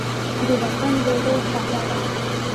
د وطن ډوډۍ خوږه ده.